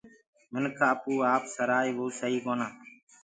منک آپو ڪوُ آپ سَرآئي وو سئي ڪونآ۔